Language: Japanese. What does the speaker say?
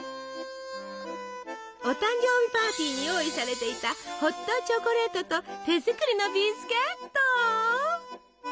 お誕生日パーティーに用意されていたホットチョコレートと手作りのビスケット。